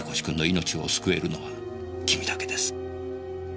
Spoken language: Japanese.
君の命を救えるのは君だけです。